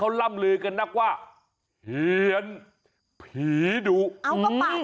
เอาก็ปากช้า